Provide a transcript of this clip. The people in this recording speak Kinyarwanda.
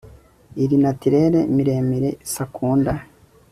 iri naturel miremire sakunda